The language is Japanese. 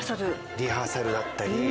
リハーサルだったり。